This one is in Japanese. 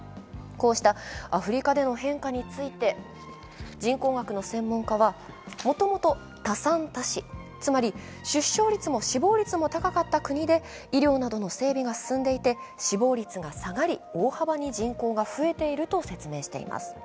こうしたアフリカでの変化について、人口学の専門家はもともと多産多死、つまり出生率も死亡率も高かった国で医療などの整備が進んでいて死亡率が下がり大幅に人口が増えていると説明しています。